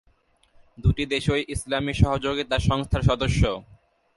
দুটি দেশই ইসলামী সহযোগিতা সংস্থার সদস্য।